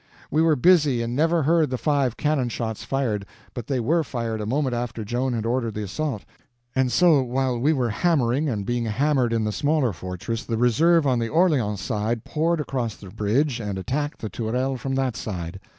We were busy and never heard the five cannon shots fired, but they were fired a moment after Joan had ordered the assault; and so, while we were hammering and being hammered in the smaller fortress, the reserve on the Orleans side poured across the bridge and attacked the Tourelles from that side.